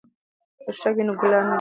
که شګه وي نو کلا نه جوړیږي.